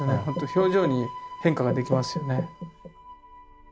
表情に変化ができますよね。